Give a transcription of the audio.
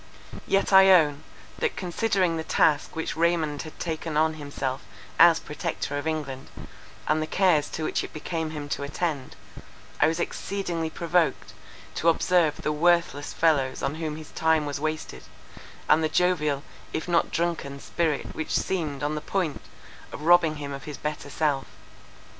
Yet I own, that considering the task which Raymond had taken on himself as Protector of England, and the cares to which it became him to attend, I was exceedingly provoked to observe the worthless fellows on whom his time was wasted, and the jovial if not drunken spirit which seemed on the point of robbing him of his better self.